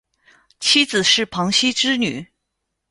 妻子是庞羲之女。